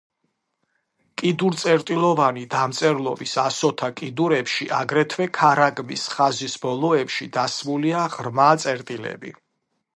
კიდურწერტილოვანი დამწერლობის ასოთა კიდურებში, აგრეთვე ქარაგმის ხაზის ბოლოებში დასმულია ღრმა წერტილები.